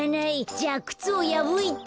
じゃあくつをやぶいて。